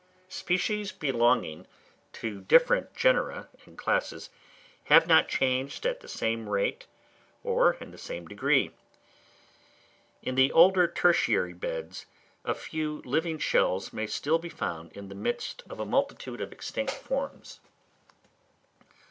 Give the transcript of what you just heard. Species belonging to different genera and classes have not changed at the same rate, or in the same degree. In the older tertiary beds a few living shells may still be found in the midst of a multitude of extinct forms.